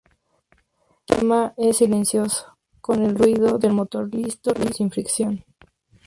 Este sistema es silencioso, con el ruido del motor listo y sin fricción.